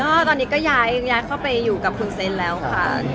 ก็ตอนนี้ก็ย้ายเข้าไปอยู่กับคุณเซนต์แล้วค่ะ